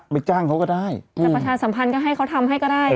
จ้างเขาก็ได้จะประชาสัมพันธ์ก็ให้เขาทำให้ก็ได้